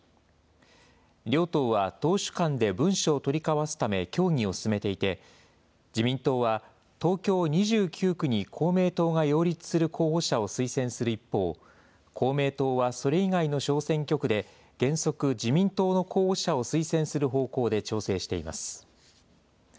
両党は党首間で文書を取り交わすため、協議を進めていて、自民党は、東京２９区に公明党が擁立する候補者を推薦する一方、公明党はそれ以外の小選挙区で、原則、自民党の候補者を推薦する方向で調整しています。